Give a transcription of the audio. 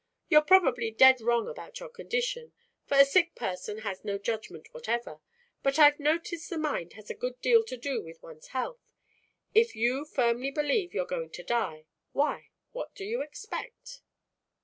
You're probably dead wrong about your condition, for a sick person has no judgment whatever, but I've noticed the mind has a good deal to do with one's health. If you firmly believe you're going to die, why, what can you expect?"